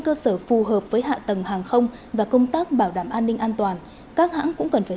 cơ sở phù hợp với hạ tầng hàng không và công tác bảo đảm an ninh an toàn các hãng cũng cần phải